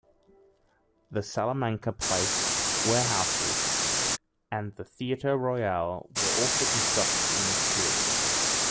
The Salamanca Place warehouses and the Theatre Royal were also constructed in this period.